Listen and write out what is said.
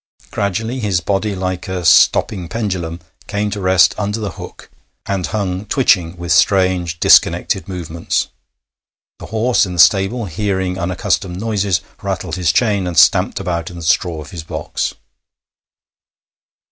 Gradually his body, like a stopping pendulum, came to rest under the hook, and hung twitching, with strange disconnected movements. The horse in the stable, hearing unaccustomed noises, rattled his chain and stamped about in the straw of his box.